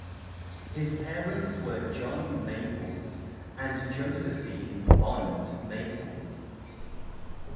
His parents were John Maples and Josephine (Bond) Maples.